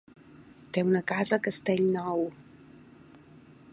Té una casa a Castellnou.